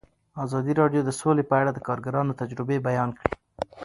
ازادي راډیو د سوله په اړه د کارګرانو تجربې بیان کړي.